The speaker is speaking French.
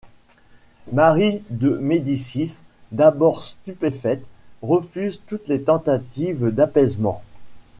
Marie de Médicis d'abord stupéfaite, refuse toutes les tentatives d'apaisement.